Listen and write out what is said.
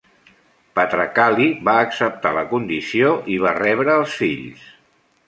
Patrakali va acceptar la condició i va rebre els fills.